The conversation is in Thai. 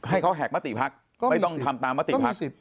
ให้เขาแหกมติพักไม่ต้องทำตามมติภักดิ์